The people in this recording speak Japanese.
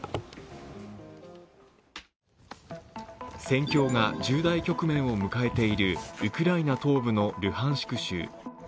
戦況が重大局面を迎えているウクライナ東部のルハンシク州。